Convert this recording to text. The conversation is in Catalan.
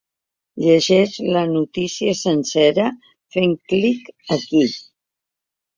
Llegeix la notícia sencera fent clic aquí.